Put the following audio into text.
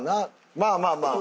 まあまあまあ。